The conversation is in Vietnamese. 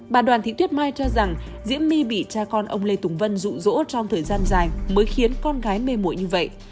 bà đoàn thị tuyết mai cho rằng diễm my bị cha con ông lê tùng vân rụ rỗ trong thời gian dài mới khiến con gái mê mụi như vậy